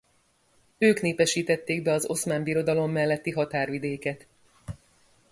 Ők népesítették be a Oszmán Birodalom melletti határvidéket.